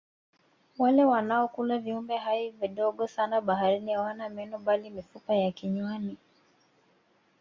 wale wanaokula viumbe hai vidogo sana baharini hawana meno bali mifupa ya kinywani